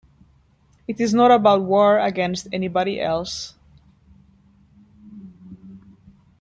It is not about war against anybody else.